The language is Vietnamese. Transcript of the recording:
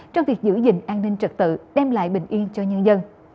trong việc giữ gìn an ninh trật tự đem lại bình yên cho nhân dân